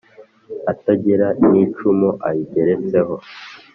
atagira n’icumu ayigeretseho